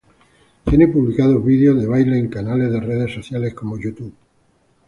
Tiene publicados vídeos de baile en canales de redes sociales como YouTube.